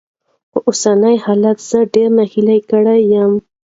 خو اوسني حالات زه ډېره ناهيلې کړې يم.